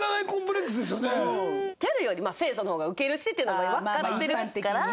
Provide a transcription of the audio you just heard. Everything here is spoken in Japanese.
ギャルより清楚の方が受けるしっていうのもわかってるから。